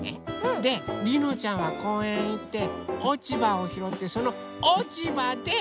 でりのちゃんはこうえんへいっておちばをひろってそのおちばで